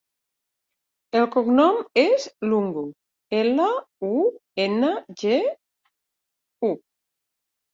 El cognom és Lungu: ela, u, ena, ge, u.